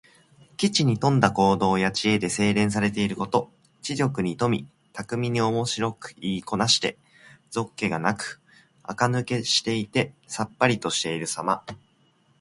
機知に富んだ言動や知恵で、洗練されていること。知力に富み、巧みにおもしろく言いこなして、俗気がなくあかぬけしていてさっぱりとしているさま。